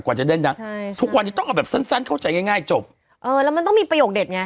กว่าจะได้นะใช่ทุกวันนี้ต้องเอาแบบสั้นสั้นเข้าใจง่ายง่ายจบเออแล้วมันต้องมีประโยคเด็ดไง